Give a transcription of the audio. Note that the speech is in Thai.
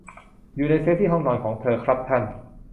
อยู่ในเซฟที่ห้องนอนของเธอ ครับท่าน